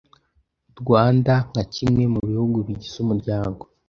Rwanda nka kimwe mu bihugu bigize Umuryango